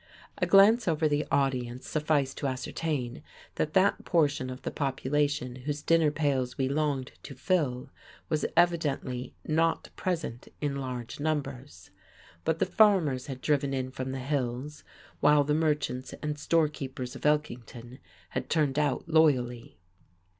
A glance over the audience sufficed to ascertain that that portion of the population whose dinner pails we longed to fill was evidently not present in large numbers. But the farmers had driven in from the hills, while the merchants and storekeepers of Elkington had turned out loyally.